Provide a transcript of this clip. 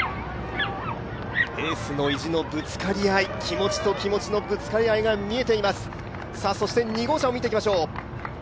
エースの意地のぶつかり合い、気持ちと気持ちのぶつかり合いが見えています。